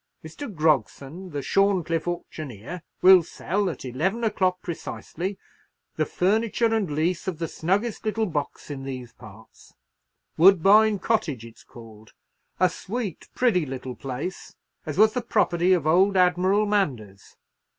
Mr. Grogson, the Shorncliffe auctioneer, will sell, at eleven o'clock precisely, the furniture and lease of the snuggest little box in these parts—Woodbine Cottage it's called—a sweet pretty little place, as was the property of old Admiral Manders.